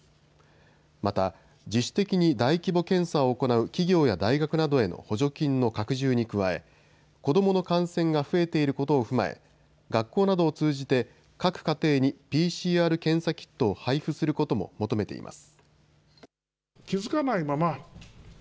また、自主的に大規模検査を行う、企業や大学などへの補助金の拡充に加え、子どもの感染が増えていることを踏まえ、学校などを通じて各家庭にＰＣＲ検査キットを配布することも求めています。